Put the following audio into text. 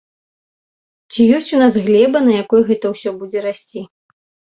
Ці ёсць у нас глеба, на якой гэта ўсё будзе расці?